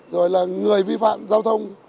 rồi là người vi phạm giao thông